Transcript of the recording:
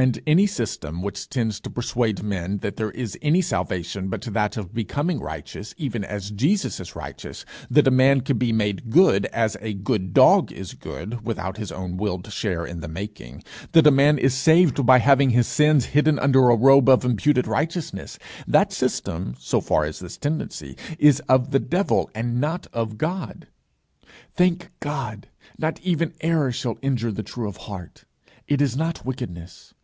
And any system which tends to persuade men that there is any salvation but that of becoming righteous even as Jesus is righteous; that a man can be made good, as a good dog is good, without his own willed share in the making; that a man is saved by having his sins hidden under a robe of imputed righteousness that system, so far as this tendency, is of the devil and not of God. Thank God, not even error shall injure the true of heart; it is not wickedness.